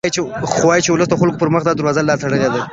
خو وايي چې د ولسي خلکو پر مخ دا دروازه لا هم تړلې ده.